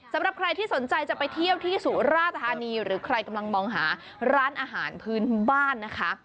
สำหรับใครที่สนใจจะไปเที่ยวที่สุราธานีหรือใครกำลังมองหาร้านอาหารพื้นบ้านนะคะ